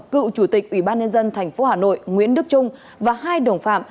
cựu chủ tịch ủy ban nhân dân tp hà nội nguyễn đức trung và hai đồng phạm